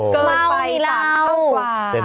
โอ้โหเกิดไปต่างกว่า